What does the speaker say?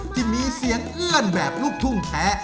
ที่มีเสียงเอื้อนแบบลูกทุ่งแท้